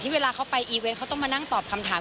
ที่เวลาเขาอีเวคเขาต้องมานั่งตอบคำถาม